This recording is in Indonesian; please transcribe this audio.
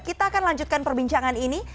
kita akan lanjutkan perbincangan ini